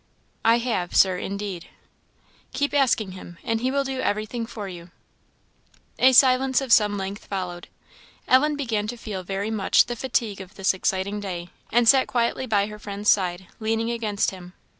"I have? Sir, indeed." "Keep asking Him, and he will do everything for you." A silence of some length followed. Ellen began to feel very much the fatigue of this exciting day, and sat quietly by her friend's side leaning against him.